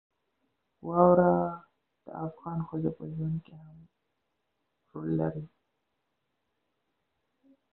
واوره د افغان ښځو په ژوند کې هم رول لري.